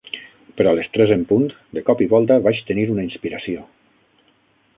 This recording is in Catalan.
Però a les tres en punt, de cop i volta vaig tenir una inspiració.